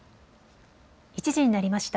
１時になりました。